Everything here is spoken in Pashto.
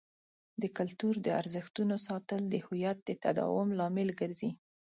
د کلتور د ارزښتونو ساتل د هویت د تداوم لامل ګرځي.